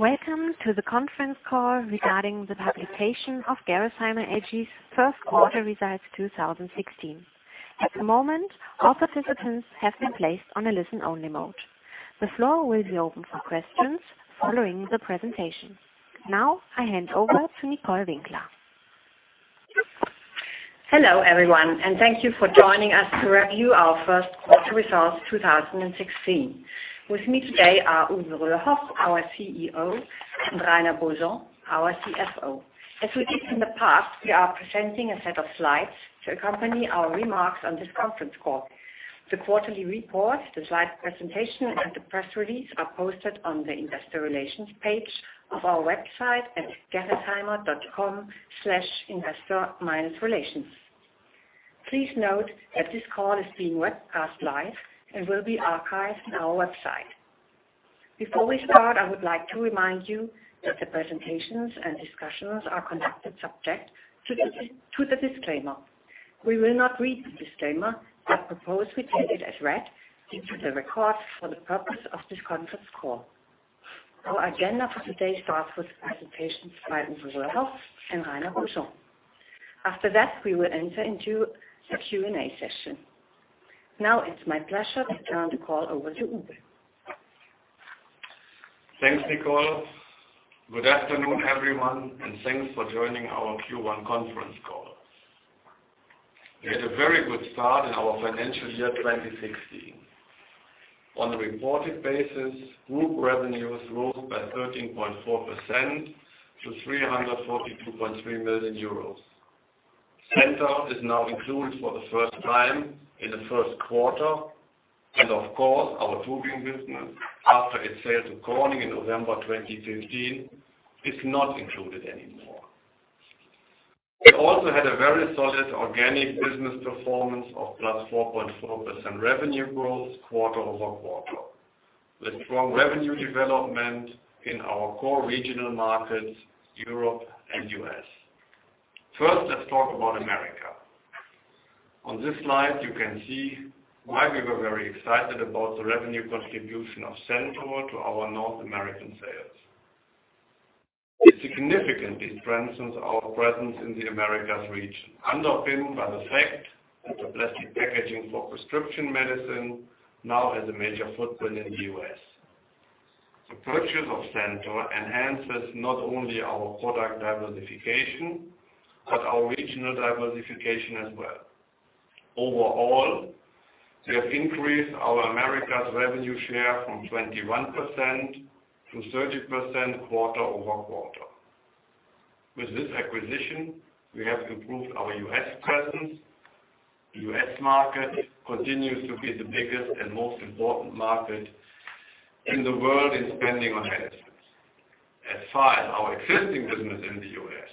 Welcome to the conference call regarding the publication of Gerresheimer AG's first quarter results 2016. At the moment, all participants have been placed on a listen-only mode. The floor will be open for questions following the presentation. Now, I hand over to Nicole Winkler. Hello, everyone. Thank you for joining us to review our first quarter results 2016. With me today are Uwe Röhrhoff, our CEO, and Rainer Beaujean, our CFO. As we did in the past, we are presenting a set of slides to accompany our remarks on this conference call. The quarterly report, the slide presentation, and the press release are posted on the investor relations page of our website at gerresheimer.com/investor-relations. Please note that this call is being webcast live and will be archived on our website. Before we start, I would like to remind you that the presentations and discussions are conducted subject to the disclaimer. We will not read the disclaimer, but propose we take it as read due to the record for the purpose of this conference call. Our agenda for today starts with presentations by Uwe Röhrhoff and Rainer Beaujean. After that, we will enter into the Q&A session. Now it's my pleasure to turn the call over to Uwe. Thanks, Nicole. Good afternoon, everyone. Thanks for joining our Q1 conference call. We had a very good start in our financial year 2016. On a reported basis, group revenues rose by 13.4% to 342.3 million euros. Centor is now included for the first time in the first quarter, and of course, our tubing business, after its sale to Corning in November 2015, is not included anymore. We also had a very solid organic business performance of plus 4.4% revenue growth quarter-over-quarter, with strong revenue development in our core regional markets, Europe and U.S. First, let's talk about America. On this slide, you can see why we were very excited about the revenue contribution of Centor to our North American sales. It significantly strengthens our presence in the Americas region, underpinned by the fact that the plastic packaging for prescription medicine now has a major footprint in the U.S. The purchase of Centor enhances not only our product diversification but our regional diversification as well. Overall, we have increased our Americas revenue share from 21% to 30% quarter-over-quarter. With this acquisition, we have improved our U.S. presence. The U.S. market continues to be the biggest and most important market in the world in spending on medicines. As for our existing business in the U.S.,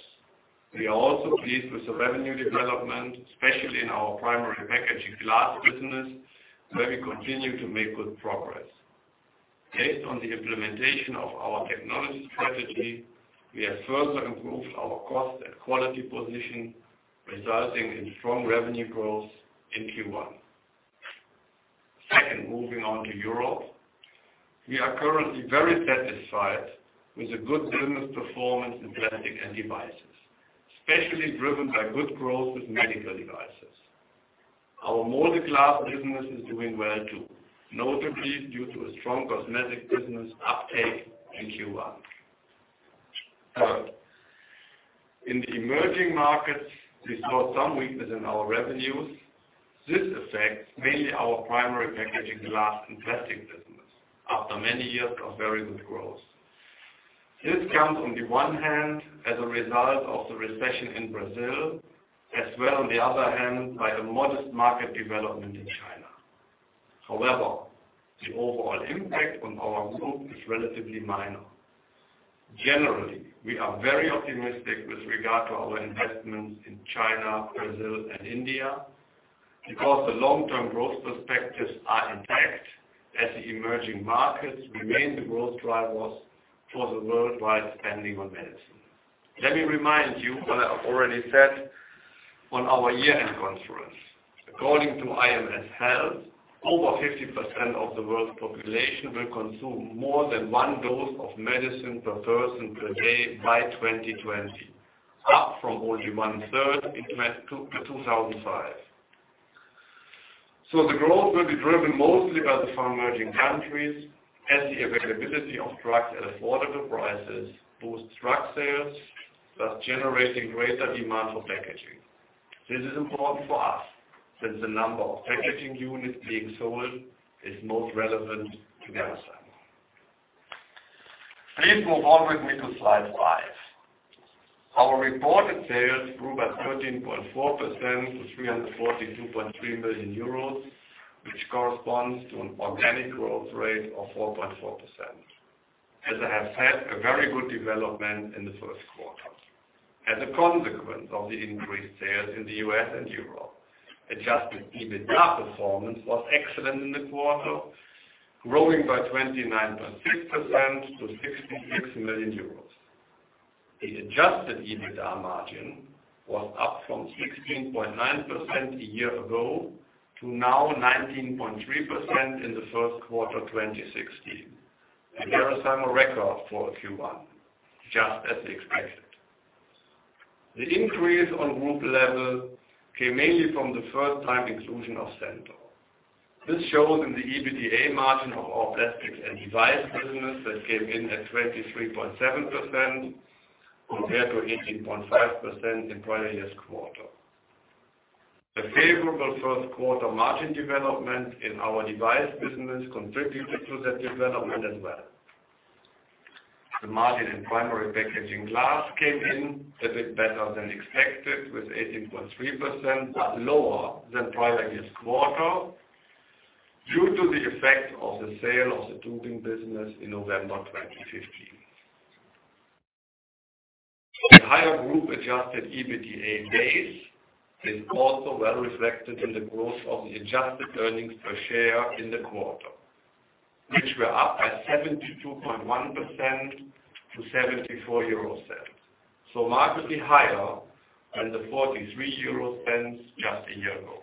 we are also pleased with the revenue development, especially in our Primary Packaging Glass business, where we continue to make good progress. Based on the implementation of our technology strategy, we have further improved our cost and quality position, resulting in strong revenue growth in Q1. Moving on to Europe. We are currently very satisfied with the good business performance in Plastics and Devices, especially driven by good growth with medical devices. Our Moulded Glass business is doing well, too, notably due to a strong cosmetic business uptake in Q1. In the emerging markets, we saw some weakness in our revenues. This affects mainly our Primary Packaging Glass and plastic business after many years of very good growth. This comes on the one hand as a result of the recession in Brazil, as well on the other hand by a modest market development in China. However, the overall impact on our group is relatively minor. Generally, we are very optimistic with regard to our investments in China, Brazil, and India, because the long-term growth perspectives are intact as the emerging markets remain the growth drivers for the worldwide spending on medicine. Let me remind you what I've already said on our year-end conference. According to IMS Health, over 50% of the world's population will consume more than one dose of medicine per person per day by 2020, up from only one-third in 2005. The growth will be driven mostly by the far emerging countries as the availability of drugs at affordable prices boosts drug sales, thus generating greater demand for packaging. This is important for us since the number of packaging units being sold is most relevant to Gerresheimer. Please move on with me to slide five. Our reported sales grew by 13.4% to 342.3 million euros, which corresponds to an organic growth rate of 4.4%. As I have said, a very good development in the first quarter. As a consequence of the increased sales in the U.S. and Europe, adjusted EBITDA performance was excellent in the quarter, growing by 29.6% to 66 million euros. The adjusted EBITDA margin was up from 16.9% a year ago to now 19.3% in the first quarter 2016. A Gerresheimer record for a Q1, just as expected. The increase on group level came mainly from the first-time inclusion of Centor. This shows in the EBITDA margin of our Plastics and Devices business that came in at 23.7% compared to 18.5% in prior year's quarter. The favorable first quarter margin development in our device business contributed to that development as well. The margin in Primary Packaging Glass came in a bit better than expected with 18.3%, but lower than prior year's quarter due to the effect of the sale of the tubular glass business in November 2015. The higher group-adjusted EBITDA base is also well reflected in the growth of the adjusted earnings per share in the quarter, which were up by 72.1% to 0.74. Markedly higher than the 0.43 just a year ago.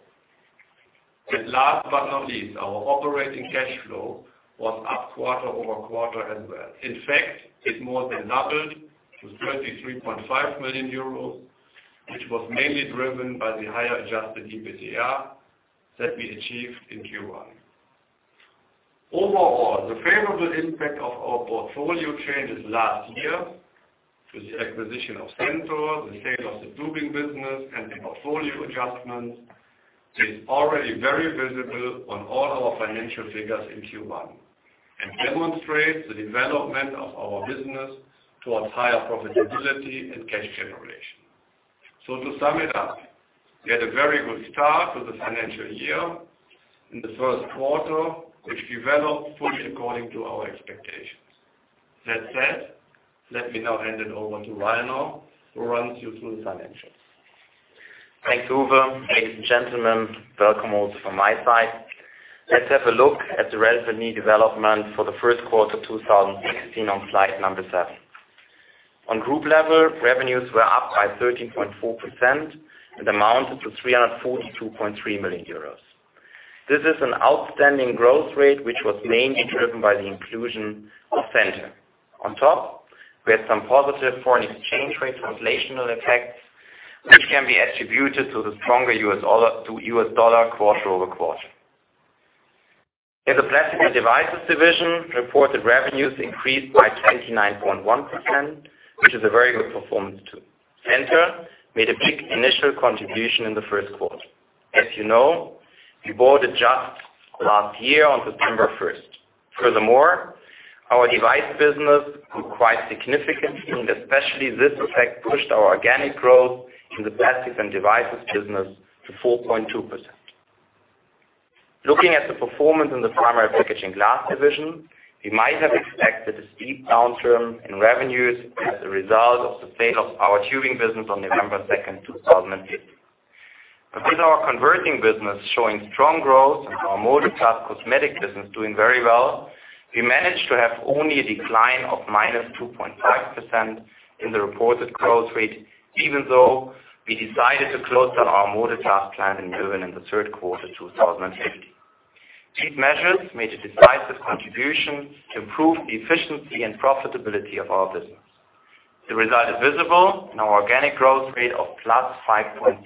Last but not least, our operating cash flow was up quarter-over-quarter as well. In fact, it more than doubled to €33.5 million, which was mainly driven by the higher adjusted EBITDA that we achieved in Q1. Overall, the favorable impact of our portfolio changes last year with the acquisition of Centor, the sale of the tubing business, and the portfolio adjustments is already very visible on all our financial figures in Q1, demonstrates the development of our business towards higher profitability and cash generation. To sum it up, we had a very good start to the financial year in the first quarter, which developed fully according to our expectations. That said, let me now hand it over to Rainer, who will run you through the financials. Thanks, Uwe. Ladies and gentlemen, welcome also from my side. Let's have a look at the revenue development for the first quarter 2016 on slide seven. On group level, revenues were up by 13.4% and amounted to €342.3 million. This is an outstanding growth rate, which was mainly driven by the inclusion of Centor. On top, we had some positive foreign exchange rate translational effects, which can be attributed to the stronger U.S. dollar quarter-over-quarter. In the Plastics and Devices division, reported revenues increased by 29.1%, which is a very good performance, too. Centor made a big initial contribution in the first quarter. As you know, we bought it just last year on September 1st. Furthermore, our device business grew quite significantly, especially this effect pushed our organic growth in the Plastics and Devices business to 4.2%. Looking at the performance in the Primary Packaging Glass division, we might have expected a steep downturn in revenues as a result of the sale of our tubing business on November 2nd, 2015. With our converting business showing strong growth and our Moulded Glass cosmetic business doing very well, we managed to have only a decline of -2.5% in the reported growth rate, even though we decided to close down our Moulded Glass plant in Moers in the third quarter 2015. These measures made a decisive contribution to improve the efficiency and profitability of our business. The result is visible in our organic growth rate of +5.6%.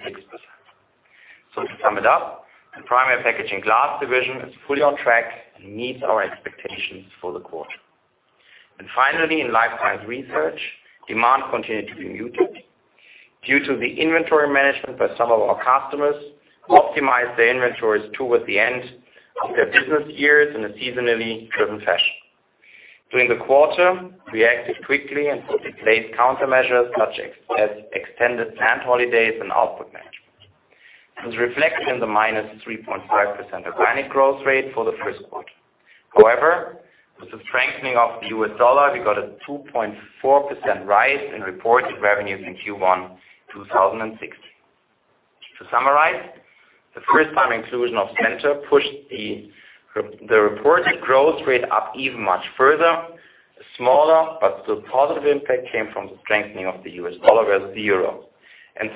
To sum it up, the Primary Packaging Glass division is fully on track and meets our expectations for the quarter. Finally, in Life Science Research, demand continued to be muted due to the inventory management by some of our customers, optimized their inventories towards the end of their business years in a seasonally driven fashion. During the quarter, we acted quickly and put in place countermeasures such as extended plant holidays and output management. This reflected in the -3.5% organic growth rate for the first quarter. However, with the strengthening of the U.S. dollar, we got a 2.4% rise in reported revenues in Q1 2016. To summarize, the first-time inclusion of Centor pushed the reported growth rate up even much further. A smaller but still positive impact came from the strengthening of the U.S. dollar versus euro.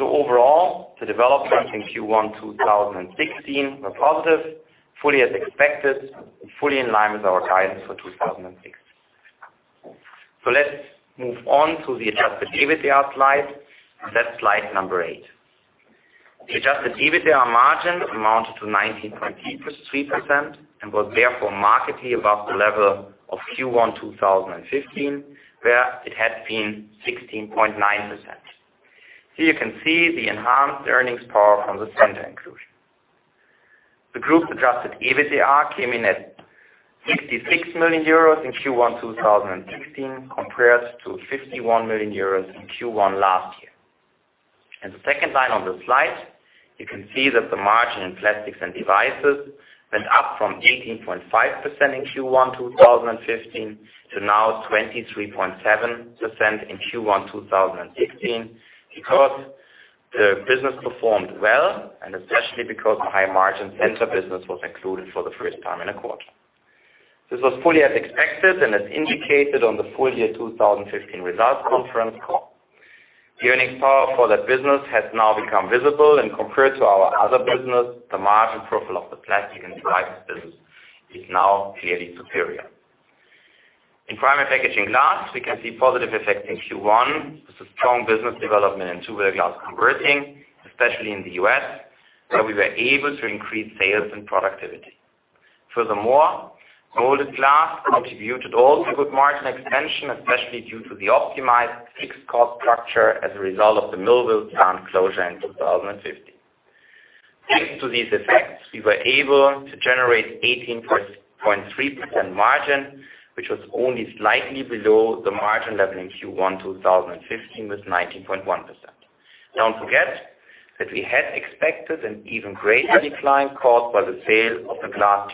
Overall, the developments in Q1 2016 were positive, fully as expected, and fully in line with our guidance for 2016. Let's move on to the adjusted EBITDA slide, that's slide number eight. The adjusted EBITDA margin amounted to 19.3% was therefore markedly above the level of Q1 2015, where it had been 16.9%. You can see the enhanced earnings power from the Centor inclusion. The group's adjusted EBITDA came in at 66 million euros in Q1 2016, compared to 51 million euros in Q1 last year. In the second line on the slide, you can see that the margin in Plastics and Devices went up from 18.5% in Q1 2015 to now 23.7% in Q1 2016 because the business performed well especially because the high-margin Centor business was included for the first time in a quarter. This was fully as expected and as indicated on the full year 2015 results conference call. The earnings power for that business has now become visible compared to our other business, the margin profile of the Plastics and Devices business is now clearly superior. In Primary Packaging Glass, we can see positive effects in Q1. This is strong business development in tubular glass converting, especially in the U.S., where we were able to increase sales and productivity. Furthermore, molded glass contributed also good margin expansion, especially due to the optimized fixed cost structure as a result of the Millville plant closure in 2015. Thanks to these effects, we were able to generate 18.3% margin, which was only slightly below the margin level in Q1 2015, with 19.1%. Don't forget that we had expected an even greater decline caused by the sale of the tubular glass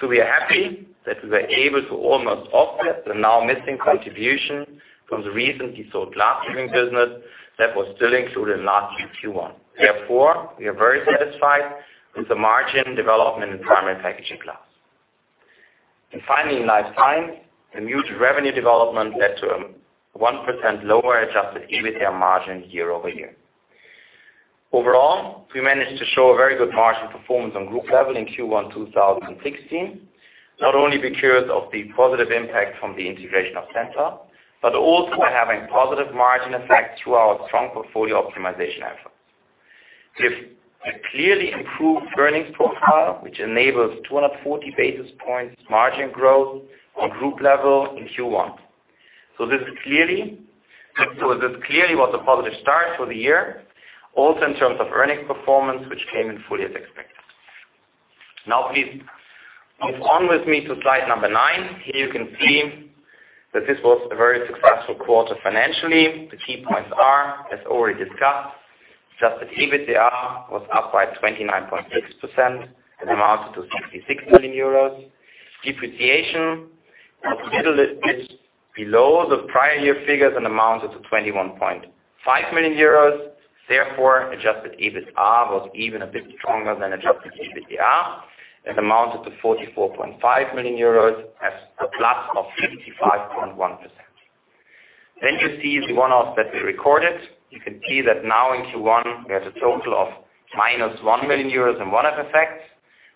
business. We are happy that we were able to almost offset the now missing contribution from the recently sold tubular glass business that was still included in last year's Q1. We are very satisfied with the margin development in Primary Packaging Glass. Finally, in Life Science, the muted revenue development led to a 1% lower adjusted EBITDA margin year-over-year. Overall, we managed to show a very good margin performance on group level in Q1 2016, not only because of the positive impact from the integration of Centor, but also by having positive margin effects to our strong portfolio optimization efforts. We have a clearly improved earnings profile, which enables 240 basis points margin growth on group level in Q1. This clearly was a positive start for the year, also in terms of earnings performance, which came in fully as expected. Now please move on with me to slide number nine. Here you can see that this was a very successful quarter financially. The key points are, as already discussed, adjusted EBITDA was up by 29.6% amounted to EUR 66 million. Depreciation was a little bit below the prior year figures amounted to 21.5 million euros. Adjusted EBITA was even a bit stronger than adjusted EBITDA amounted to 44.5 million euros, that's a plus of 55.1%. You see the one-offs that we recorded. You can see that now in Q1, we have a total of minus 1 million euros in one-off effects,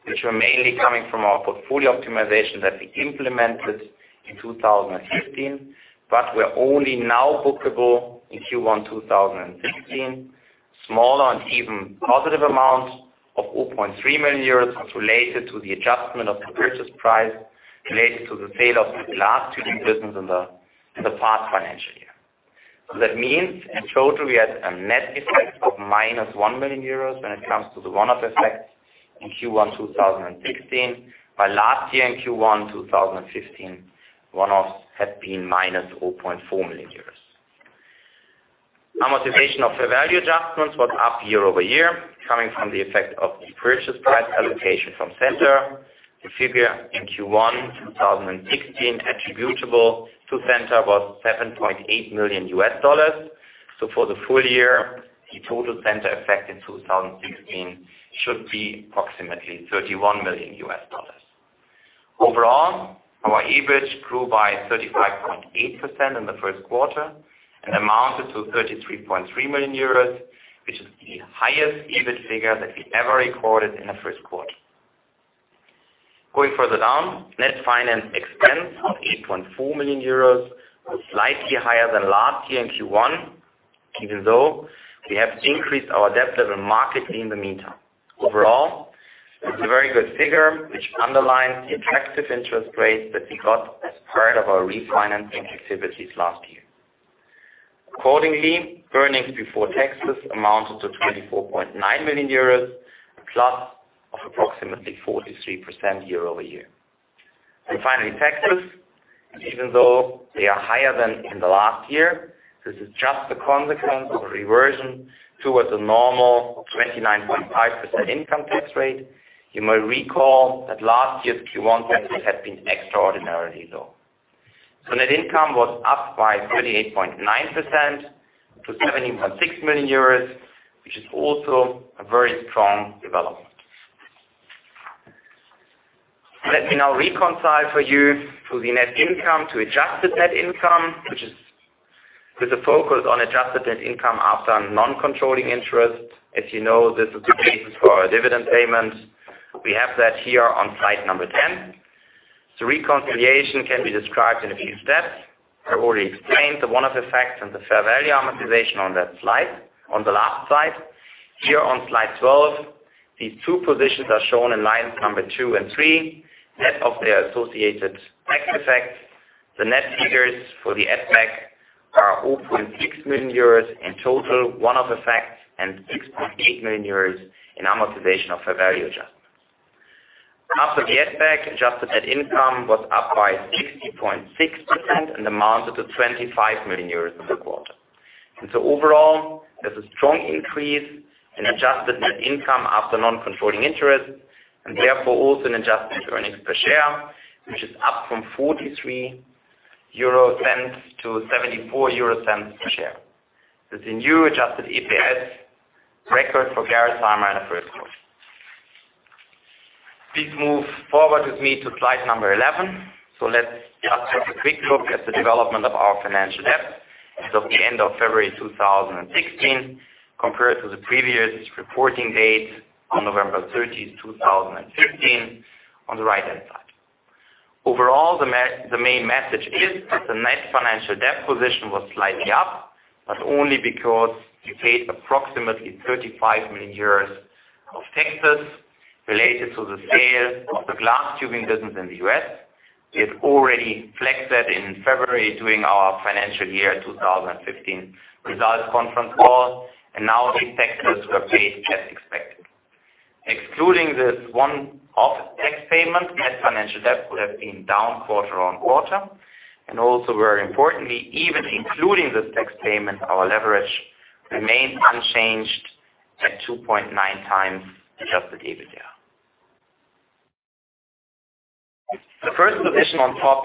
which were mainly coming from our portfolio optimization that we implemented in 2015, but were only now bookable in Q1 2016. Smaller and even positive amount of €4.3 million was related to the adjustment of the purchase price, related to the sale of the glass tubing business in the past financial year. That means, in total, we had a net effect of minus €1 million when it comes to the one-off effects in Q1 2016. By last year in Q1 2015, one-offs had been minus €4.4 million. Amortization of fair value adjustments was up year-over-year, coming from the effect of the purchase price allocation from Centor. The figure in Q1 2016 attributable to Centor was $7.8 million. For the full year, the total Centor effect in 2016 should be approximately $31 million. Overall, our EBIT grew by 35.8% in the first quarter and amounted to €33.3 million, which is the highest EBIT figure that we ever recorded in the first quarter. Going further down, net finance expense of €8.4 million was slightly higher than last year in Q1, even though we have increased our debt level markedly in the meantime. Overall, it's a very good figure, which underlines the attractive interest rates that we got as part of our refinancing activities last year. Accordingly, earnings before taxes amounted to €24.9 million, a plus of approximately 43% year-over-year. Finally, taxes, even though they are higher than in the last year, this is just a consequence of reversion towards a normal 29.5% income tax rate. You may recall that last year's Q1 taxes had been extraordinarily low. Net income was up by 38.9% to €7.6 million, which is also a very strong development. Let me now reconcile for you to the net income to adjusted net income, which is with a focus on adjusted net income after non-controlling interest. As you know, this is the basis for our dividend payment. We have that here on slide number 10. Reconciliation can be described in a few steps. I already explained the one-off effects and the fair value amortization on the last slide. Here on slide 12, these two positions are shown in lines 2 and 3, net of their associated tax effects. The net figures for the ass-backs are 0.6 million euros in total, one-off effects, and 6.8 million euros in amortization of fair value adjustments. After the add-backs, adjusted net income was up by 60.6% and amounted to 25 million euros in the quarter. Overall, there's a strong increase in adjusted net income after non-controlling interest, and therefore, also an adjusted earnings per share, which is up from 0.43 to 0.74 per share. That's a new adjusted EPS Record for Gerresheimer in the first quarter. Please move forward with me to slide number 11. Let's just have a quick look at the development of our financial debt as of the end of February 2016 compared to the previous reporting date on November 30th, 2015 on the right-hand side. Overall, the main message is that the net financial debt position was slightly up, but only because we paid approximately €35 million of taxes related to the sale of the glass tubing business in the U.S. We had already flagged that in February during our financial year 2015 results conference call, and now these taxes were paid as expected. Excluding this one-off tax payment, net financial debt would have been down quarter-on-quarter and also, very importantly, even including this tax payment, our leverage remains unchanged at 2.9 times adjusted EBITDA. The first position on top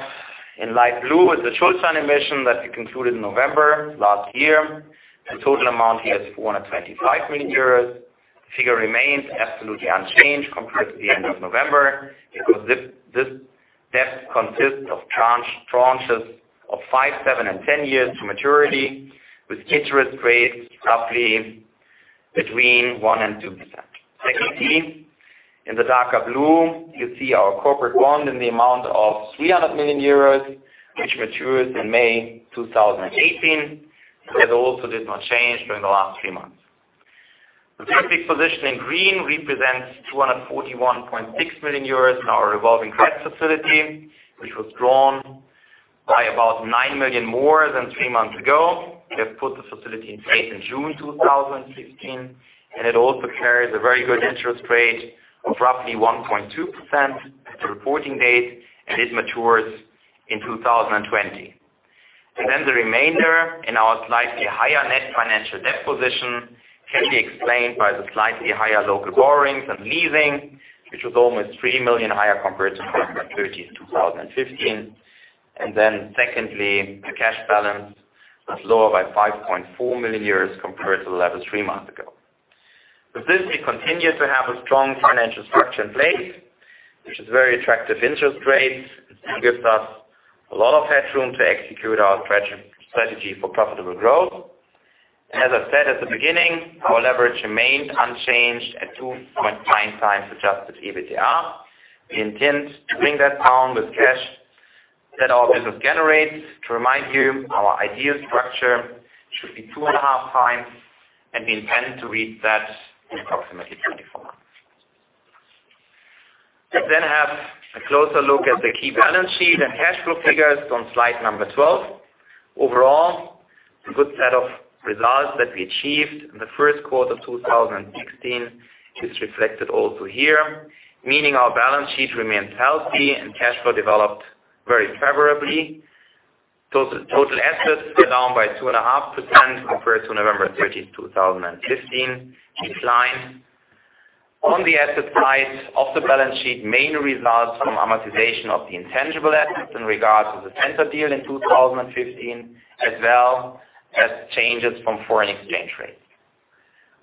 in light blue is the Schuldschein emission that we concluded in November last year. The total amount here is 425 million euros. The figure remains absolutely unchanged compared to the end of November because this debt consists of tranches of five, seven, and 10 years to maturity with interest rates roughly between 1% and 2%. Secondly, in the darker blue, you see our corporate bond in the amount of 300 million euros, which matures in May 2018. That also did not change during the last three months. The third big position in green represents 241.6 million euros in our revolving credit facility, which was drawn by about 9 million more than three months ago. We have put the facility in place in June 2016 and it also carries a very good interest rate of roughly 1.2% at the reporting date, and it matures in 2020. The remainder in our slightly higher net financial debt position can be explained by the slightly higher local borrowings and leasing, which was almost 3 million higher compared to November 30, 2015. Secondly, the cash balance was lower by 5.4 million euros compared to the level three months ago. With this, we continue to have a strong financial structure in place, which is very attractive interest rates and gives us a lot of headroom to execute our strategy for profitable growth. As I said at the beginning, our leverage remained unchanged at 2.9 times adjusted EBITDA. We intend to bring that down with cash that our business generates. To remind you, our ideal structure should be 2.5 times, and we intend to reach that in approximately 24 months. Let's have a closer look at the key balance sheet and cash flow figures on slide number 12. Overall, a good set of results that we achieved in the first quarter of 2016 is reflected also here, meaning our balance sheet remains healthy and cash flow developed very favorably. Total assets were down by 2.5% compared to November 30, 2015 decline. On the asset side of the balance sheet, mainly results from amortization of the intangible assets in regards to the Centor deal in 2015, as well as changes from foreign exchange rates.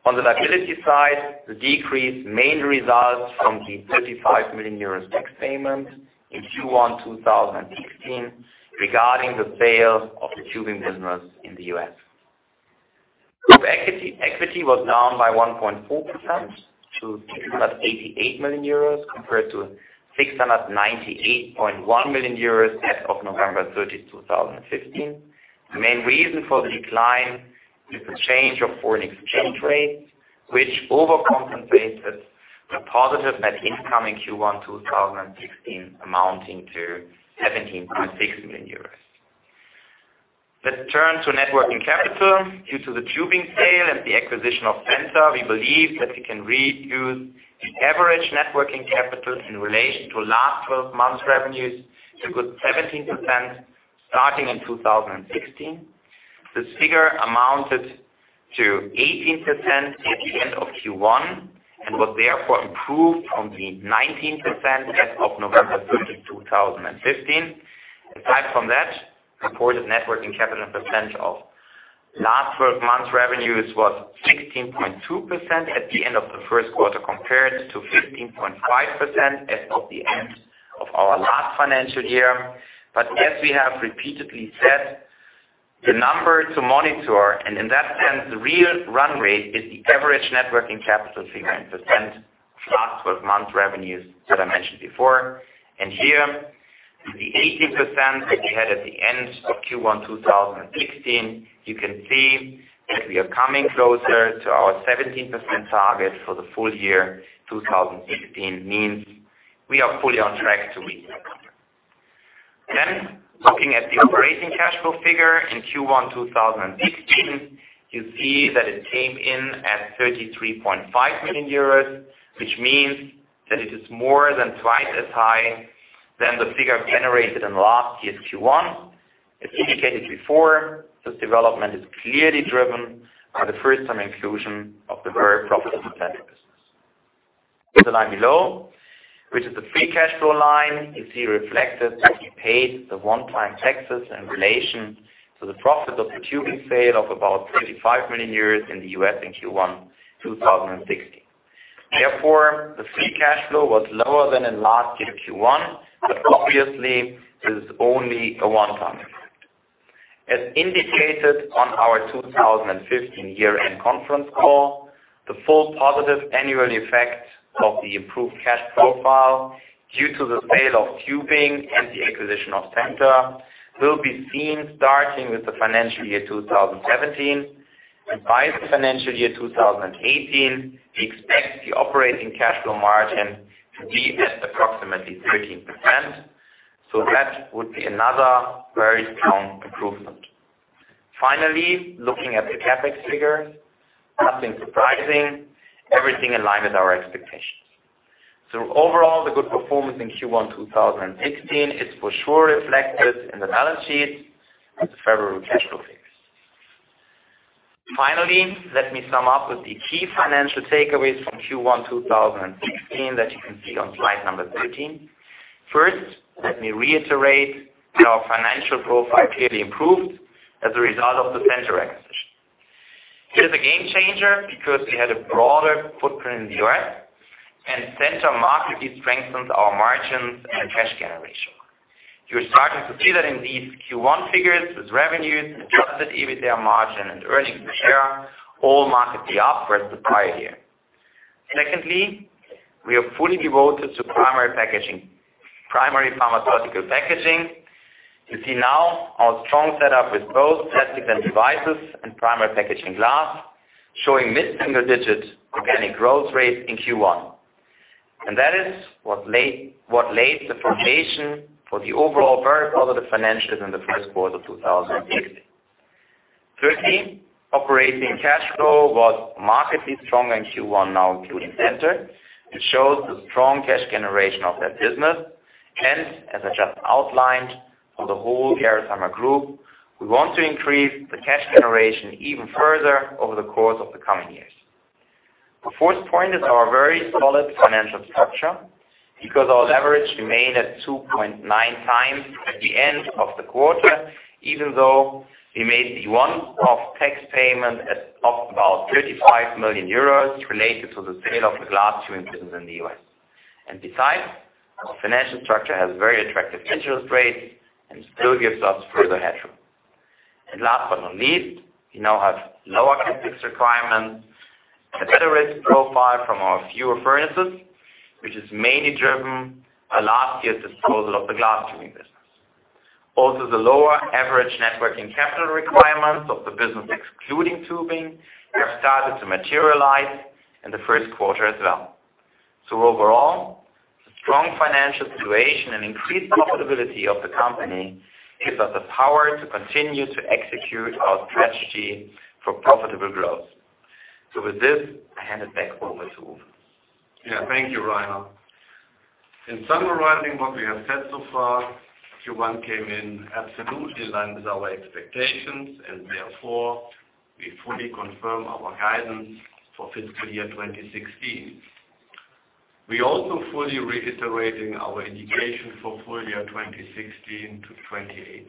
On the liability side, the decrease mainly results from the 35 million euros tax payment in Q1 2016 regarding the sale of the tubular glass business in the U.S. Group equity was down by 1.4% to 288 million euros compared to 698.1 million euros as of November 30, 2015. The main reason for the decline is the change of foreign exchange rates, which overcompensated the positive net income in Q1 2016 amounting to 17.6 million euros. Let's turn to net working capital. Due to the tubular glass business sale and the acquisition of Centor, we believe that we can reduce the average net working capital in relation to last 12 months revenues to a good 17% starting in 2016. This figure amounted to 18% at the end of Q1 and was therefore improved from the 19% as of November 30, 2015. Aside from that, reported net working capital percent of last 12 months revenues was 16.2% at the end of the first quarter, compared to 15.5% as of the end of our last financial year. As we have repeatedly said, the number to monitor and in that sense, the real run rate is the average net working capital figure in percent of last 12-month revenues that I mentioned before. Here the 18% that we had at the end of Q1 2016, you can see that we are coming closer to our 17% target for the full year 2016, means we are fully on track to reach that number. Looking at the operating cash flow figure in Q1 2016, you see that it came in at 33.5 million euros, which means that it is more than twice as high as the figure generated in last year's Q1. As indicated before, this development is clearly driven by the first-time inclusion of the very profitable Centor business. The line below, which is the free cash flow line, you see reflected that we paid the one-time taxes in relation to the profit of the tubular glass business sale of about 35 million in the U.S. in Q1 2016. Therefore, the free cash flow was lower than in last year's Q1, but obviously this is only a one-time effect. As indicated on our 2015 year-end conference call, the full positive annual effect of the improved cash profile due to the sale of tubular glass business and the acquisition of Centor will be seen starting with the financial year 2017. By the financial year 2018, we expect the operating cash flow margin to be at approximately 13%. That would be another very strong improvement. Finally, looking at the CapEx figure, nothing surprising, everything in line with our expectations. Overall, the good performance in Q1 2016 is for sure reflected in the balance sheet as of February cash flow figures. Finally, let me sum up with the key financial takeaways from Q1 2016 that you can see on slide number 13. First, let me reiterate that our financial profile clearly improved as a result of the Centor acquisition. It is a game changer because we had a broader footprint in the U.S., and Centor markedly strengthens our margins and cash generation. You are starting to see that in these Q1 figures with revenues, adjusted EBITDA margin, and earnings per share all markedly up versus prior year. Secondly, we are fully devoted to primary pharmaceutical packaging. You see now our strong setup with both Plastics and Devices and Primary Packaging Glass showing mid-single-digit organic growth rate in Q1. That is what lays the foundation for the overall very positive financials in the first quarter of 2016. Thirdly, operating cash flow was markedly stronger in Q1 now including Centor, which shows the strong cash generation of that business. As I just outlined, for the whole Gerresheimer Group, we want to increase the cash generation even further over the course of the coming years. The fourth point is our very solid financial structure, because our leverage remained at 2.9 times at the end of the quarter, even though we made the one-off tax payment of about 35 million euros related to the sale of the tubular glass business in the U.S. Besides, our financial structure has very attractive interest rates and still gives us further headroom. Last but not least, we now have lower CapEx requirements and a better risk profile from our fewer furnaces, which is mainly driven by last year's disposal of the tubular glass business. Also, the lower average net working capital requirements of the business excluding tubing have started to materialize in the first quarter as well. Overall, the strong financial situation and increased profitability of the company gives us the power to continue to execute our strategy for profitable growth. With this, I hand it back over to Uwe. Thank you, Rainer. In summarizing what we have said so far, Q1 came in absolutely in line with our expectations. Therefore, we fully confirm our guidance for fiscal year 2016. We are also fully reiterating our indication for full year 2016 to 2018.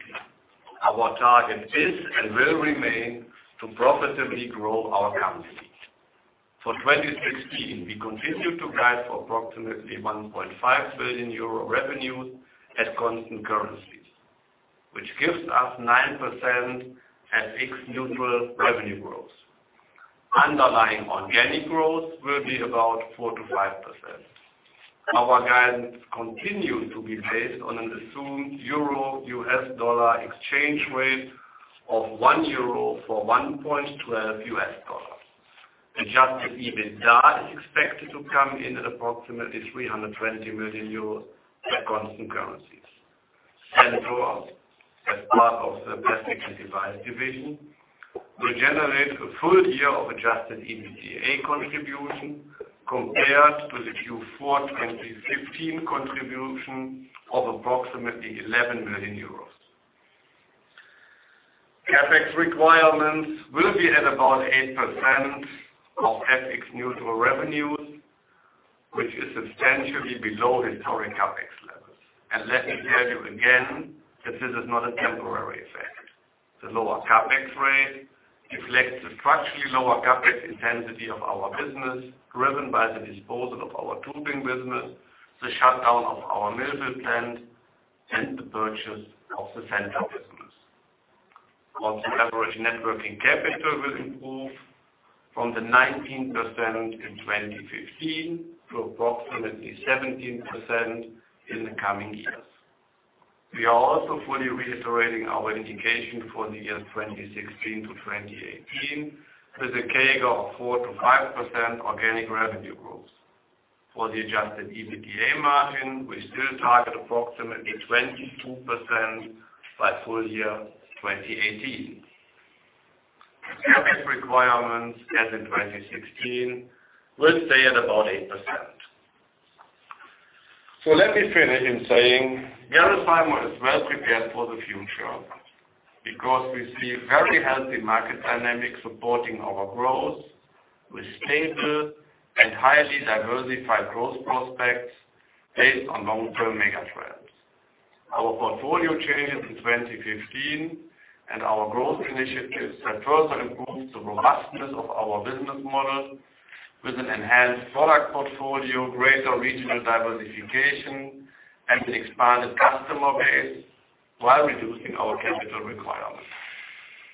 Our target is, and will remain, to profitably grow our company. For 2016, we continue to guide for approximately 1.5 billion euro revenues at constant currencies, which gives us 9% FX neutral revenue growth. Underlying organic growth will be about 4%-5%. Our guidance continues to be based on an assumed euro-U.S. dollar exchange rate of 1 euro for 1.12 U.S. dollars. Adjusted EBITDA is expected to come in at approximately 320 million euros at constant currencies. Centor, as part of the Plastics & Devices division, will generate a full year of adjusted EBITDA contribution compared to the Q4 2015 contribution of approximately 11 million euros. CapEx requirements will be at about 8% of FX neutral revenues, which is substantially below historic CapEx levels. Let me tell you again that this is not a temporary effect. The lower CapEx rate reflects the structurally lower CapEx intensity of our business, driven by the disposal of our tubular glass business, the shutdown of our Moers plant, and the purchase of the Centor business. Also, average net working capital will improve from the 19% in 2015 to approximately 17% in the coming years. We are also fully reiterating our indication for the year 2016 to 2018, with a CAGR of 4%-5% organic revenue growth. For the adjusted EBITDA margin, we still target approximately 22% by full year 2018. CapEx requirements as in 2016 will stay at about 8%. Let me finish in saying Gerresheimer is well prepared for the future because we see very healthy market dynamics supporting our growth with stable and highly diversified growth prospects based on long-term mega trends. Our portfolio changes in 2015 and our growth initiatives that further improve the robustness of our business model with an enhanced product portfolio, greater regional diversification, and an expanded customer base while reducing our capital requirements.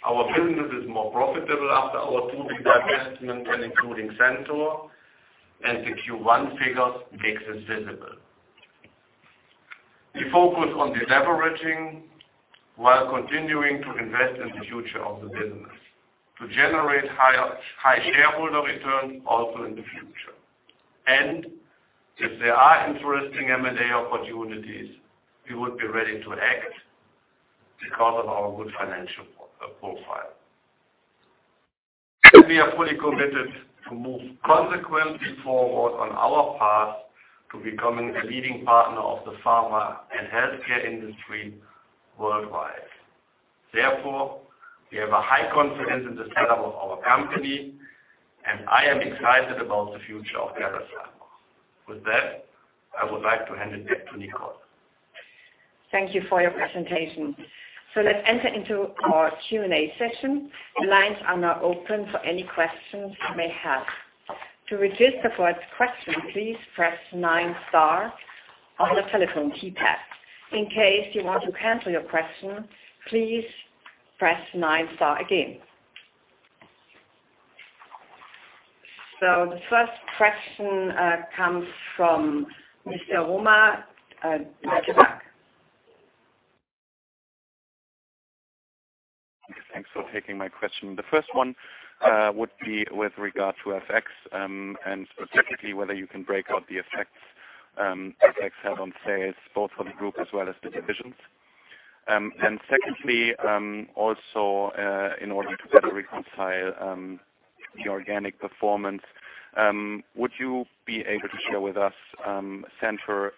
Our business is more profitable after our two big divestments and including Centor, and the Q1 figures makes this visible. We focus on de-leveraging while continuing to invest in the future of the business to generate high shareholder returns also in the future. If there are interesting M&A opportunities, we would be ready to act because of our good financial profile. We are fully committed to move consequently forward on our path to becoming a leading partner of the pharma and healthcare industry worldwide. We have a high confidence in the setup of our company, and I am excited about the future of Gerresheimer. With that, I would like to hand it back to Nicole. Thank you for your presentation. Let's enter into our Q&A session. The lines are now open for any questions you may have. To register for a question, please press star nine on the telephone keypad. In case you want to cancel your question, please press star nine again. The first question comes from Mr. Romer at Deutsche Bank. Thanks for taking my question. The first one would be with regard to FX, and specifically whether you can break out the effects FX had on sales, both for the group as well as the divisions. Secondly, also in order to better reconcile the organic performance, would you be able to share with us Centor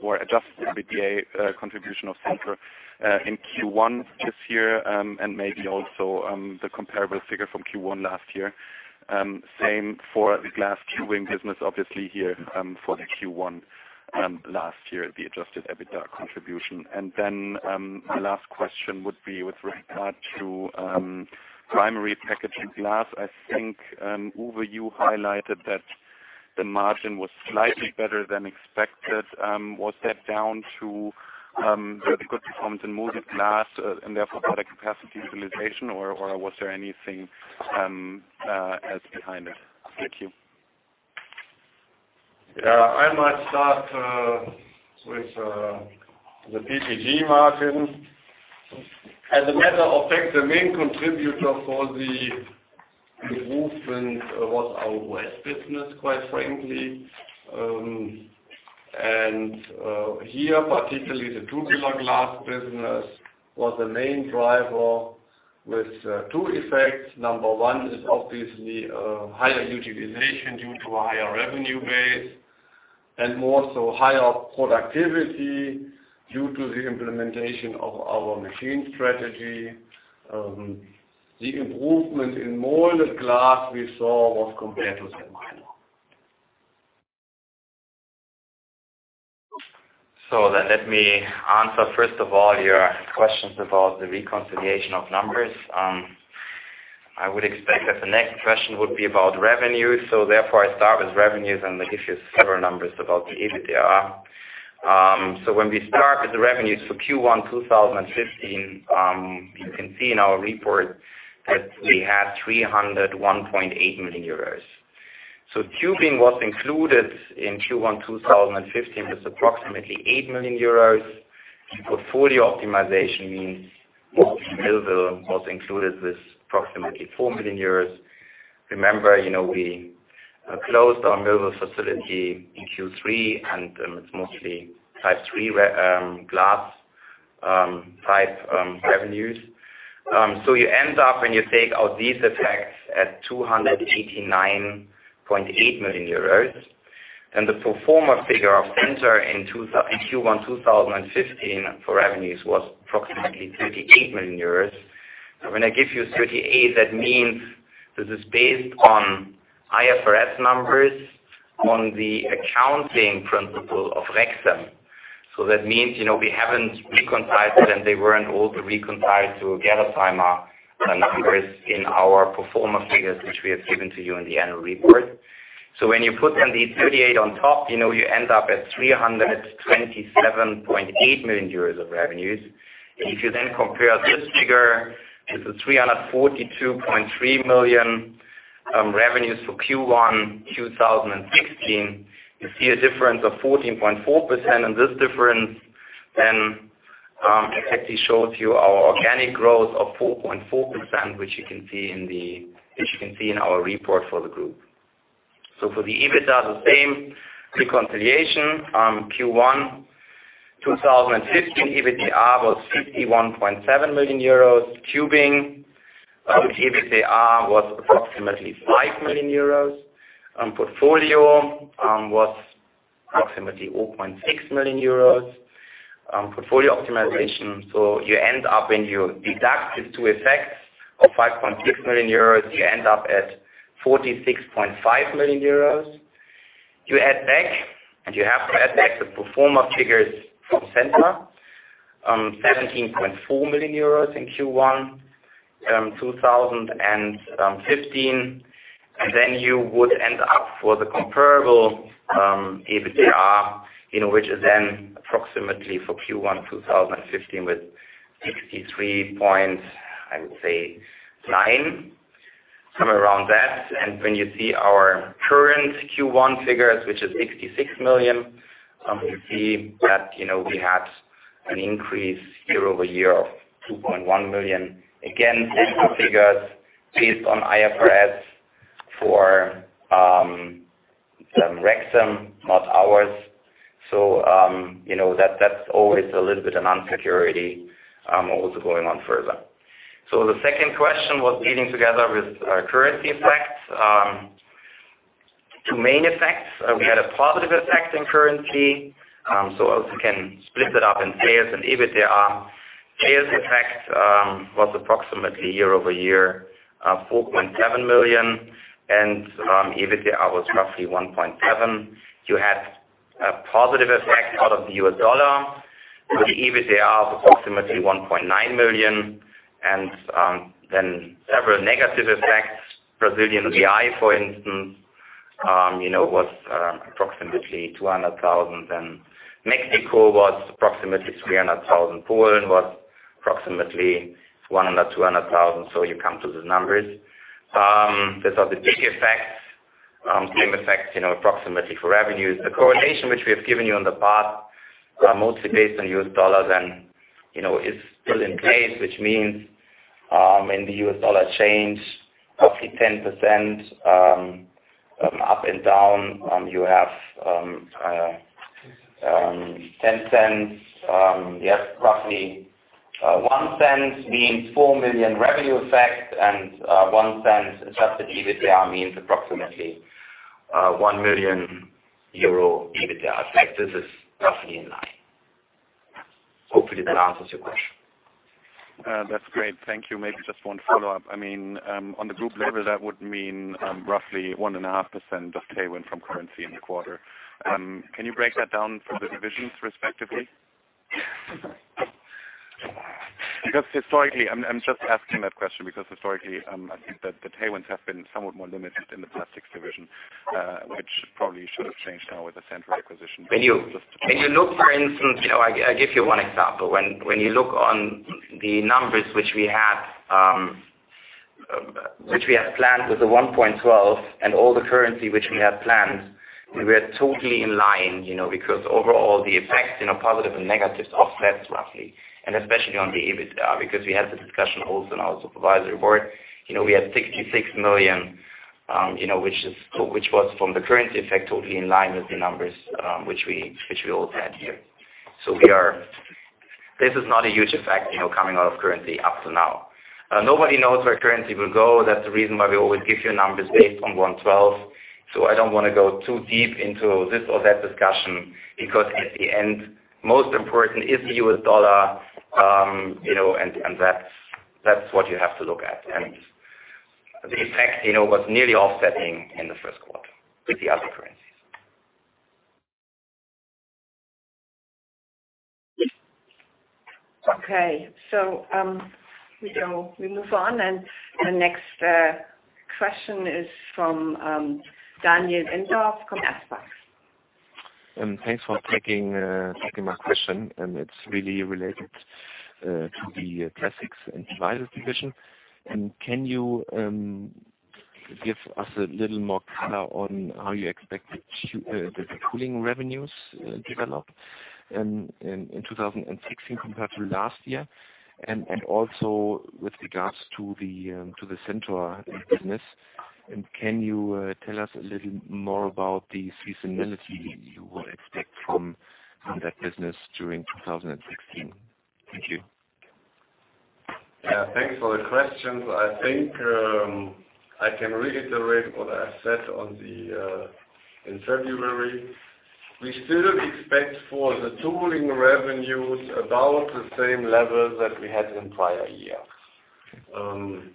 or adjusted EBITDA contribution of Centor in Q1 this year and maybe also the comparable figure from Q1 last year. Same for the Tubular Glass business, obviously here, for the Q1 last year, the adjusted EBITDA contribution. My last question would be with regard to Primary Packaging Glass. I think, Uwe, you highlighted that the margin was slightly better than expected. Was that down to the good performance in Moulded Glass and therefore better capacity utilization? Or was there anything else behind it? Thank you. Yeah. I might start with the PPG margin. As a matter of fact, the main contributor for the improvement was our West business, quite frankly. Here, particularly the Tubular Glass business was the main driver with two effects. Number one is obviously higher utilization due to a higher revenue base and more so higher productivity due to the implementation of our machine strategy. The improvement in Moulded Glass we saw was compared to Centor. Let me answer, first of all, your questions about the reconciliation of numbers. I would expect that the next question would be about revenues. I start with revenues and then give you several numbers about the EBITDA. When we start with the revenues for Q1 2015, you can see in our report that we had 301.8 million euros. Tubing was included in Q1 2015 with approximately 8 million euros. Portfolio optimization means Millville was included with approximately 4 million euros. Remember, we closed our Millville facility in Q3, and it's mostly Type III glass type revenues. You end up, when you take out these effects, at 289.8 million euros. Then the pro forma figure of Centor in Q1 2015 for revenues was approximately 38 million euros. Now, when I give you 38, that means this is based on IFRS numbers on the accounting principle of Rexam. We haven't reconciled, and they weren't all reconciled to Gerresheimer numbers in our pro forma figures, which we have given to you in the annual report. When you put then the 38 on top, you end up at 327.8 million euros of revenues. If you then compare this figure to the 342.3 million revenues for Q1 2016, you see a difference of 14.4%. This difference then actually shows you our organic growth of 4.4%, which you can see in our report for the group. For the EBITDA, the same reconciliation. Q1 2015, EBITDA was 51.7 million euros. Tubing, EBITDA was approximately 5 million euros. Portfolio was approximately 0.6 million euros. Portfolio optimization, you end up when you deduct these two effects of 5.6 million euros, you end up at 46.5 million euros. You add back, and you have to add back the pro forma figures from Centor, 17.4 million euros in Q1 2015. Then you would end up for the comparable EBITDA, which is then approximately for Q1 2015 with 63.9, somewhere around that. And when you see our current Q1 figures, which is 66 million, you see that we had an increase year-over-year of 2.1 million. Again, Centor figures based on IFRS for Rexam, not ours. That's always a little bit an insecurity also going on further. The second question was eating together with currency effects. Two main effects. We had a positive effect in currency, also can split that up in sales and EBITDA. Sales effect was approximately year-over-year, 4.7 million, and EBITDA was roughly 1.7. You had a positive effect out of the U.S. dollar with EBITDA of approximately 1.9 million, and then several negative effects. Brazilian real, for instance, was approximately 200,000, and Mexico was approximately 300,000. Poland was approximately 100,000, 200,000. You come to the numbers. Those are the big effects, same effects approximately for revenues. The correlation which we have given you in the past are mostly based on U.S. dollars and is still in place, which means, when the U.S. dollar change roughly 10% up and down, you have $0.10. Yes, roughly $0.01 means EUR 4 million revenue effect, and $0.01 adjusted EBITDA means approximately 1 million euro EBITDA effect. This is roughly in line. Hopefully that answers your question. That's great. Thank you. Maybe just one follow-up. On the group level, that would mean roughly 1.5% of tailwind from currency in the quarter. Can you break that down for the divisions respectively? I'm just asking that question because historically, I think that the tailwinds have been somewhat more limited in the Plastics Division, which probably should have changed now with the Centor acquisition. I'll give you one example. When you look on the numbers which we had planned with the 1.12 and all the currency which we had planned, we are totally in line, because overall, the effects, positive and negatives, offset roughly, especially on the adjusted EBITDA, because we had the discussion also in our Supervisory Board. We had 66 million, which was from the currency effect totally in line with the numbers, which we all had here. This is not a huge effect, coming out of currency up to now. Nobody knows where currency will go. That's the reason why we always give you numbers based on 112. I don't want to go too deep into this or that discussion, because at the end, most important is the U.S. dollar, and that's what you have to look at. The effect was nearly offsetting in the first quarter with the other currencies. Okay. We move on. The next question is from Daniel Enders from Exane. Thanks for taking my question. It's really related to the Plastics & Devices division. Can you give us a little more color on how you expect the tooling revenues develop in 2016 compared to last year? Also with regards to the Centor business, can you tell us a little more about the seasonality you would expect from that business during 2016? Thank you. Yeah. Thanks for the questions. I think, I can reiterate what I said in February. We still expect for the tooling revenues about the same level that we had in prior years.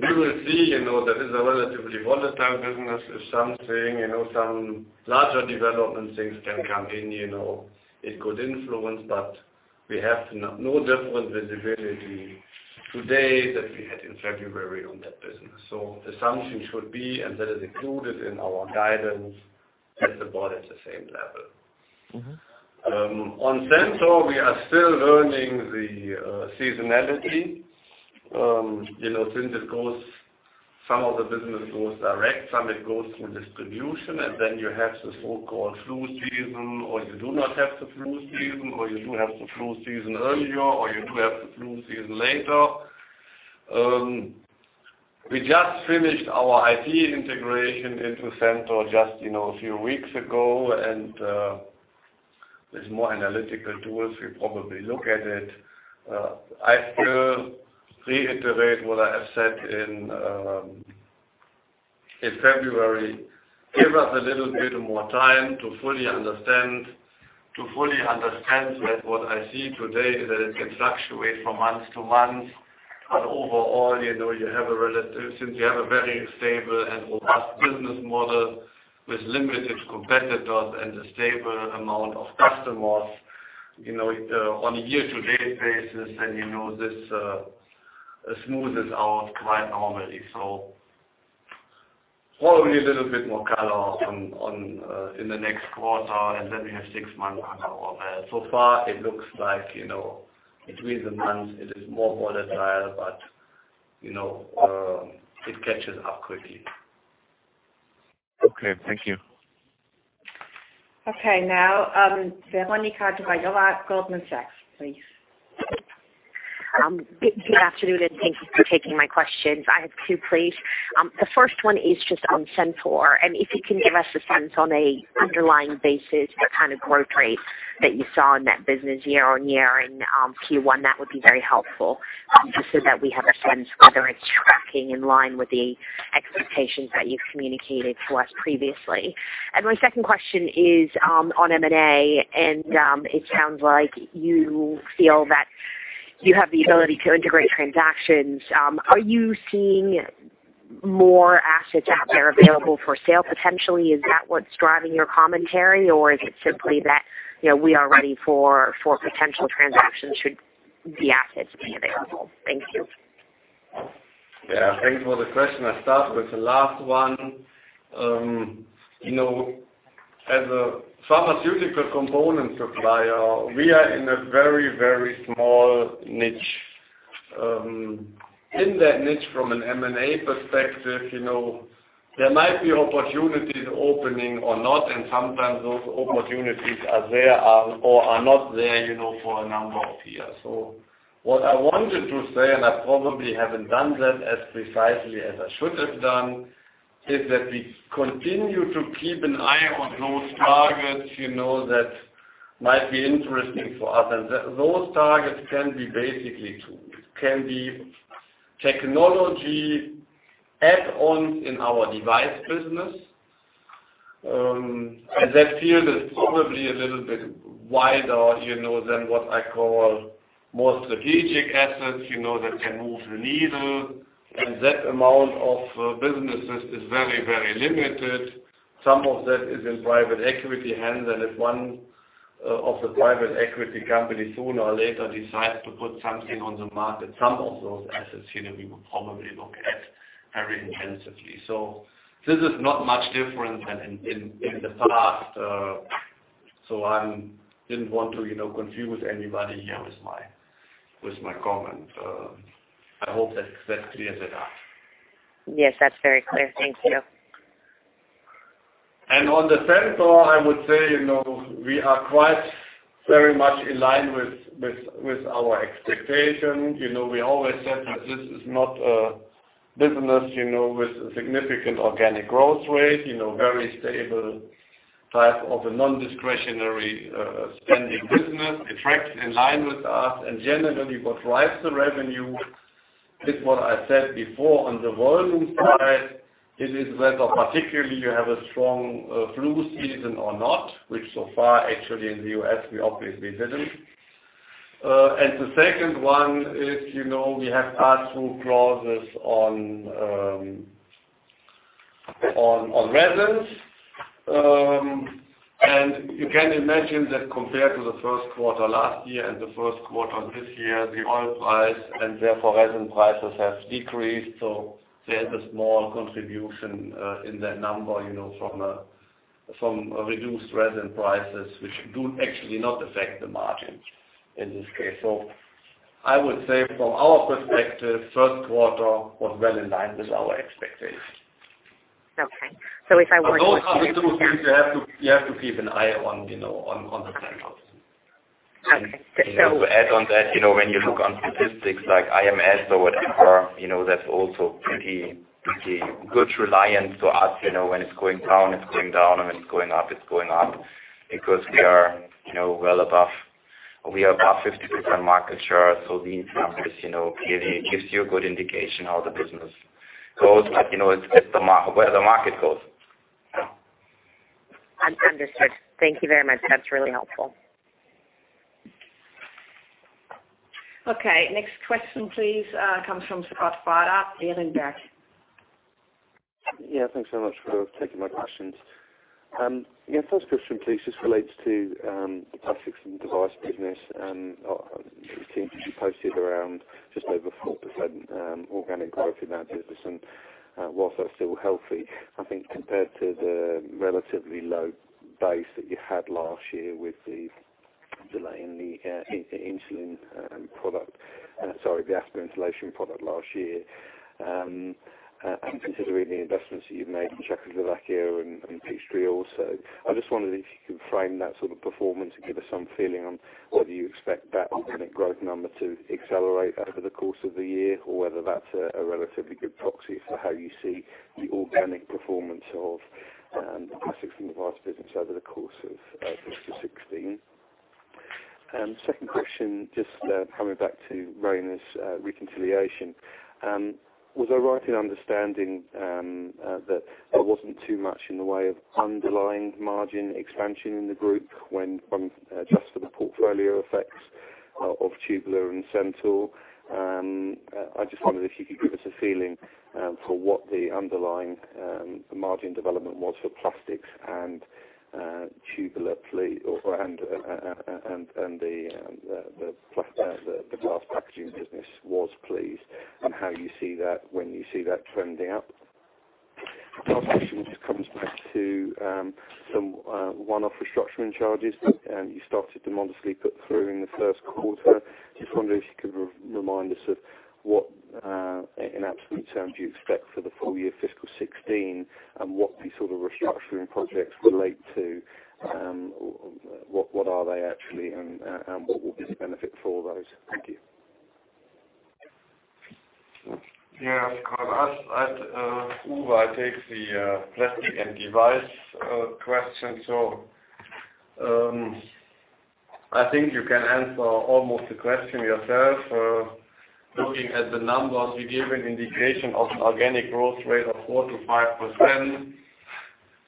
We will see, that is a relatively volatile business. If something, some larger development things can come in, it could influence, but we have no different visibility today that we had in February on that business. The assumption should be, and that is included in our guidance, it's about at the same level. On Centor, we are still learning the seasonality. Since some of the business goes direct, some it goes through distribution, and then you have the so-called flu season, or you do not have the flu season, or you do have the flu season earlier, or you do have the flu season later. We just finished our IT integration into Centor just a few weeks ago, and there's more analytical tools. We probably look at it. I still reiterate what I have said in February. Give us a little bit more time to fully understand that what I see today is that it can fluctuate from month to month. Overall, since we have a very stable and robust business model with limited competitors and a stable amount of customers, on a year-to-date basis, then this smoothes out quite normally. Probably a little bit more color in the next quarter, and then we have 6 months on overall. Far, it looks like between the months it is more volatile, but it catches up quickly. Okay. Thank you. Okay, now, Veronika Dubajova, Goldman Sachs, please. Good afternoon. Thank you for taking my questions. I have two, please. The first one is just on Centor. If you can give us a sense on a underlying basis, what kind of growth rate that you saw in that business year-on-year in Q1, that would be very helpful. Just so that we have a sense whether it's tracking in line with the expectations that you've communicated to us previously. My second question is on M&A. It sounds like you feel that you have the ability to integrate transactions. Are you seeing more assets out there available for sale, potentially? Is that what's driving your commentary, or is it simply that we are ready for potential transactions should the assets be available? Thank you. Thanks for the question. I start with the last one. As a pharmaceutical component supplier, we are in a very small niche. In that niche from an M&A perspective, there might be opportunities opening or not. Sometimes those opportunities are there or are not there for a number of years. What I wanted to say, I probably haven't done that as precisely as I should have done, is that we continue to keep an eye on those targets that might be interesting for us. Those targets can be basically two. It can be technology add-ons in our device business. That field is probably a little bit wider than what I call more strategic assets that can move the needle. That amount of businesses is very limited. Some of that is in private equity hands. If one of the private equity company sooner or later decides to put something on the market, some of those assets we would probably look at very intensively. This is not much different than in the past. I didn't want to confuse anybody here with my comment. I hope that clears it up. Yes, that's very clear. Thank you. On the Centor, I would say, we are quite very much in line with our expectation. We always said that this is not a business with a significant organic growth rate, very stable type of a non-discretionary spending business. It tracks in line with us and generally what drives the revenue is what I said before on the volume side. It is whether particularly you have a strong flu season or not, which so far, actually in the U.S., we obviously didn't. The second one is we have pass-through clauses on resins. You can imagine that compared to the first quarter last year and the first quarter this year, the oil price and therefore resin prices have decreased. They had a small contribution in that number from a reduced resin prices, which do actually not affect the margin in this case. I would say from our perspective, first quarter was well in line with our expectations. Okay. Those are the two things you have to keep an eye on the Centor. Okay. To add on that, when you look on statistics like IMS or whatever, that's also pretty good reliance to us, when it's going down, it's going down, and when it's going up, it's going up because we are well above 50% market share. These numbers gives you a good indication how the business goes, where the market goes. Understood. Thank you very much. That's really helpful. Okay, next question please comes from Scott Bardo, Berenberg. Thanks so much for taking my questions. First question, please, just relates to the Plastics and Devices business. It seems to be posted around just over 4% organic growth in that business. Whilst that's still healthy, I think compared to the relatively low base that you had last year with the Delay in the asthma inhalation product last year. Considering the investments that you've made in Czech Republic and Peachtree City also, I just wondered if you could frame that sort of performance and give us some feeling on whether you expect that organic growth number to accelerate over the course of the year or whether that's a relatively good proxy for how you see the organic performance of the Plastics and Devices business over the course of fiscal 2016. Second question, just coming back to Rainer's reconciliation. Was I right in understanding that there wasn't too much in the way of underlying margin expansion in the group when, from just for the portfolio effects of Tubular Glass and Centor. I just wondered if you could give us a feeling for what the underlying margin development was for Plastics and Tubular Glass, and the Primary Packaging Glass business was, please, and how you see that, when you see that trending up. Third question just comes back to some one-off restructuring charges. You started to modestly put through in the first quarter. Just wondering if you could remind us of what, in absolute terms, do you expect for the full year fiscal 2016, and what the sort of restructuring projects relate to. What are they actually and what will be the benefit for those? Thank you. As Uwe, I take the Plastics and Devices question. I think you can answer almost the question yourself. Looking at the numbers we gave an indication of organic growth rate of 4% to 5%.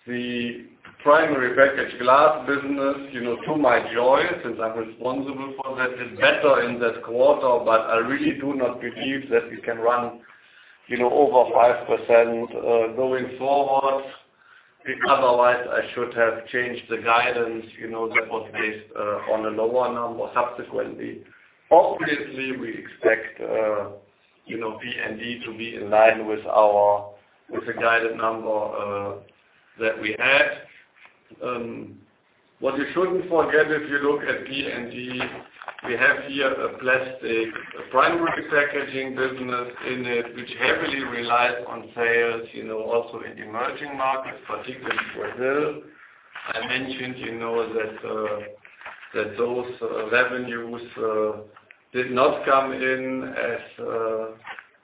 The Primary Packaging Glass business, to my joy, since I'm responsible for that, did better in that quarter. I really do not believe that we can run over 5% going forward, because otherwise I should have changed the guidance, that was based on a lower number subsequently. Obviously, we expect P&D to be in line with the guided number that we had. What you shouldn't forget, if you look at P&D, we have here a Plastics, a Primary Packaging Glass business in it, which heavily relies on sales also in emerging markets, particularly Brazil. I mentioned that those revenues did not come in as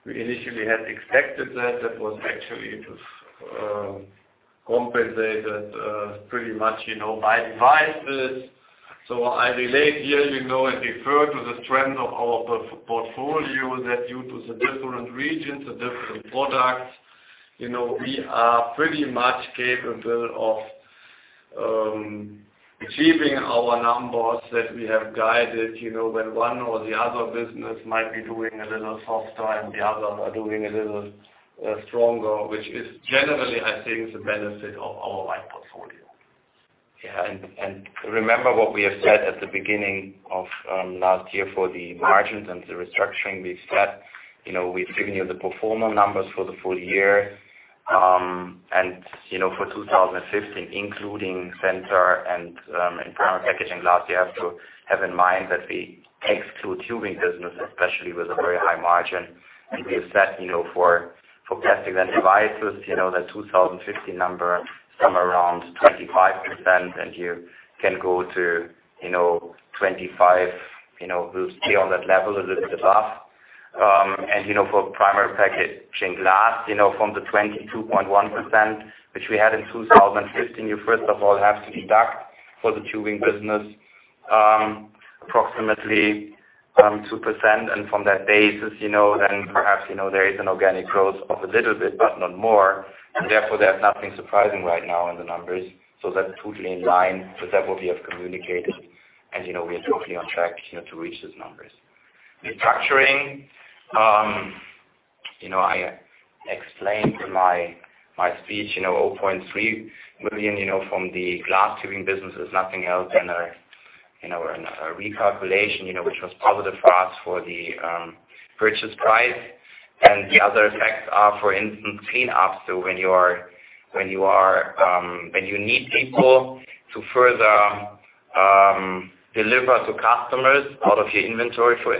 we initially had expected that. That was, it was compensated pretty much by devices. I relate here and refer to the strength of our portfolio that due to the different regions, the different products we are pretty much capable of achieving our numbers that we have guided when one or the other business might be doing a little soft time, the others are doing a little stronger, which is generally, I think, the benefit of our wide portfolio. Remember what we have said at the beginning of last year for the margins and the restructuring. We've said we've given you the pro forma numbers for the full year. For 2015, including Centor and internal packaging glass, you have to have in mind that the ex-tubing business, especially with a very high margin, if you set for Plastics and Devices, that 2015 number somewhere around 25%, and you can go to 25, we'll stay on that level a little bit above. For Primary Packaging Glass, from the 22.1%, which we had in 2015, you first of all have to deduct for the tubular glass business approximately 2%. From that basis then perhaps there is an organic growth of a little bit but not more, therefore there's nothing surprising right now in the numbers. That's totally in line with that what we have communicated and we are totally on track to reach those numbers. Restructuring, I explained in my speech, 0.3 million from the tubular glass business is nothing else than a recalculation which was positive for us for the purchase price. The other effects are, for instance, cleanups. When you need people to further deliver to customers out of your inventory, for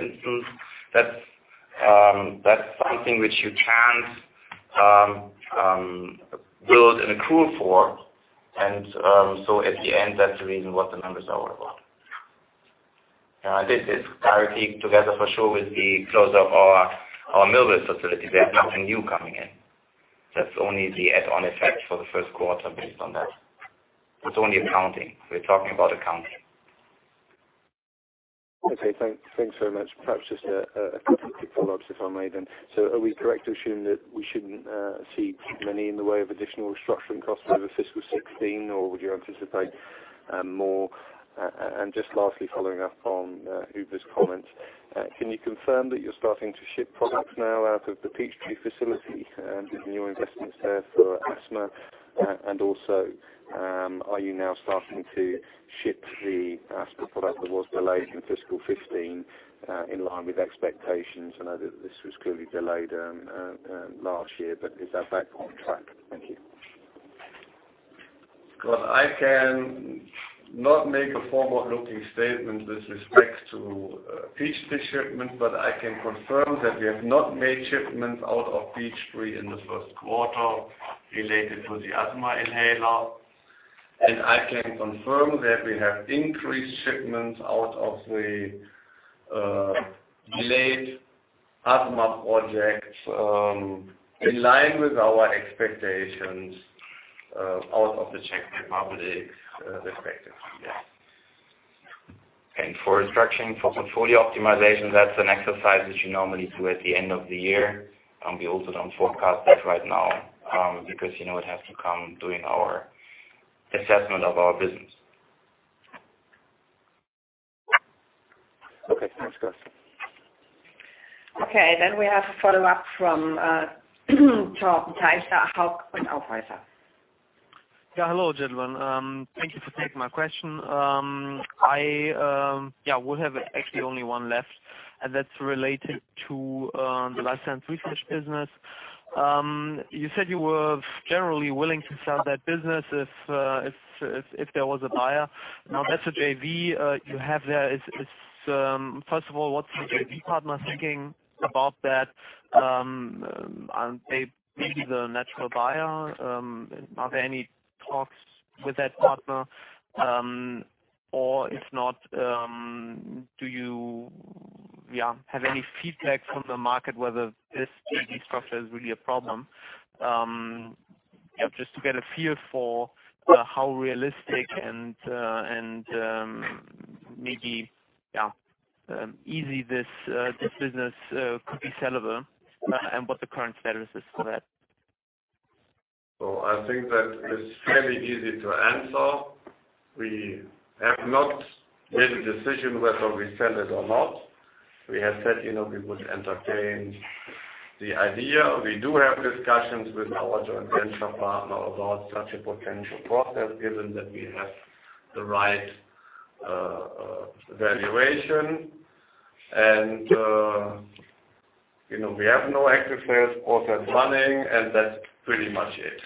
instance, that's something which you can't build and accrue for at the end, that's the reason what the numbers are what. This is directly together for sure with the close of our Millville facility. There's nothing new coming in. That's only the add-on effect for the first quarter based on that. It's only accounting. We're talking about accounting. Okay, thanks very much. Perhaps just a couple of quick follow-ups, if I may then. Are we correct to assume that we shouldn't see too many in the way of additional restructuring costs over fiscal 2016 or would you anticipate more? Just lastly, following up on Uwe's comment, can you confirm that you're starting to ship products now out of the Peachtree facility and the new investments there for asthma? Also, are you now starting to ship the asthma product that was delayed in fiscal 2015 in line with expectations? I know that this was clearly delayed last year, but is that back on track? Thank you. Well, I cannot make a forward-looking statement with respect to Peachtree shipments, but I can confirm that we have not made shipments out of Peachtree in the first quarter related to the asthma inhaler. I can confirm that we have increased shipments out of the late asthma projects in line with our expectations out of the Czech Republic perspective, yeah. For restructuring, for portfolio optimization, that's an exercise that you normally do at the end of the year. We also don't forecast that right now, because it has to come during our assessment of our business. Okay, thanks guys. We have a follow-up from Torben Teisler, Hauck & Aufhäuser. Hello, gentlemen. Thank you for taking my question. I would have actually only one left, and that's related to the Life Science Research business. You said you were generally willing to sell that business if there was a buyer. That's a JV you have there. First of all, what's the JV partner thinking about that? Are they maybe the natural buyer? Are there any talks with that partner? Or if not, do you have any feedback from the market whether this JV structure is really a problem? Just to get a feel for how realistic and maybe easy this business could be sellable and what the current status is for that. I think that is fairly easy to answer. We have not made a decision whether we sell it or not. We have said we would entertain the idea. We do have discussions with our joint venture partner about such a potential process, given that we have the right valuation. We have no active sales process running, and that's pretty much it.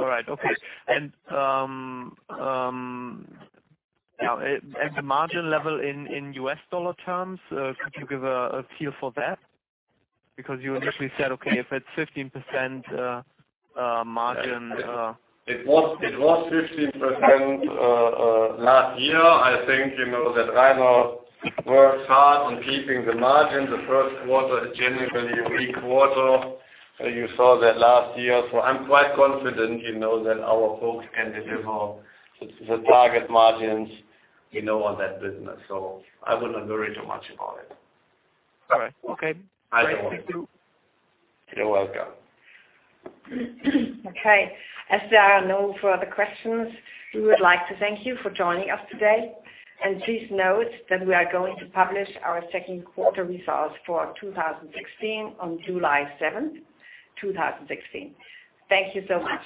All right. Okay. The margin level in U.S. dollar terms, could you give a feel for that? Because you initially said, okay, if it's 15% margin- It was 15% last year. I think that Rainer worked hard on keeping the margin. The first quarter is generally a weak quarter, you saw that last year. I'm quite confident that our folks can deliver the target margins on that business. I would not worry too much about it. All right. Okay. No problem. Thank you. You're welcome. Okay, as there are no further questions, we would like to thank you for joining us today. Please note that we are going to publish our second quarter results for 2016 on July 7th, 2016. Thank you so much.